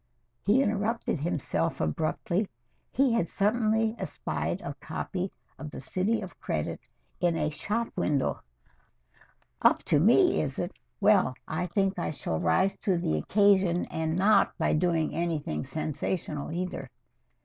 he interrupted himself abruptly. He had suddenly espied a copy of "The City of Credit" in a shop window. "Up to me, is it? Well, I think I shall rise to the occasion and not by doing anything sensational either."